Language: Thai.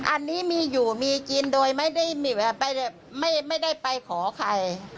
อันนี้มีอยู่มีกินโดยไม่ได้ไปขอใคร